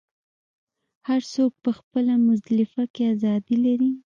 هر څوک په مزدلفه کې ازادي لري.